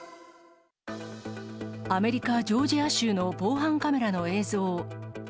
アメリカ・ジョージア州の防犯カメラの映像。